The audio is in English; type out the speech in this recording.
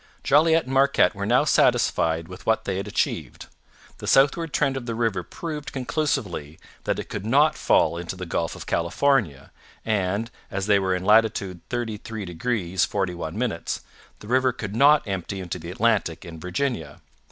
Jolliet and Marquette were now satisfied with what they had achieved. The southward trend of the river proved conclusively that it could not fall into the Gulf of California, and, as they were in latitude 33 degrees 41 minutes, the river could not empty into the Atlantic in Virginia.